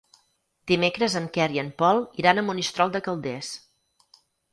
Dimecres en Quer i en Pol iran a Monistrol de Calders.